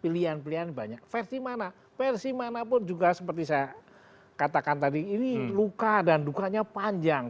pilihan pilihan banyak versi mana versi manapun juga seperti saya katakan tadi ini luka dan lukanya panjang